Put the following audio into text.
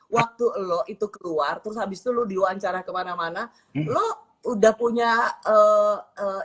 waktu elo itu keluar terus habis seluruh diwawancara kemana mana lu udah punya eh